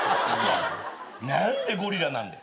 何でゴリラなんだよ。